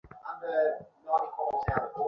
গাড়ি ঘোরাও, গাড়ি ঘোরাও।